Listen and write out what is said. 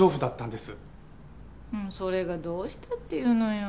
それがどうしたって言うのよ。